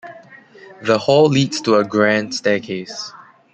The hall leads to a grand staircase.